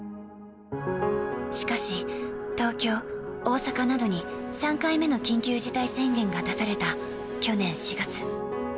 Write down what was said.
しかし、東京、大阪などに３回目の緊急事態宣言が出された去年４月。